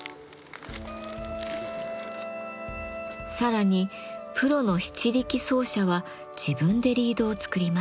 さらにプロの篳篥奏者は自分でリードを作ります。